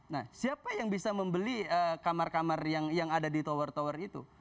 nah siapa yang bisa membeli kamar kamar yang ada di tower tower itu